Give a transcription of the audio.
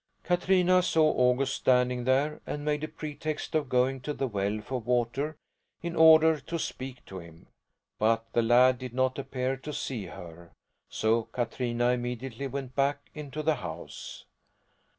Katrina saw August standing there and made a pretext of going to the well for water in order to speak to him; but the lad did not appear to see her, so Katrina immediately went back into the house.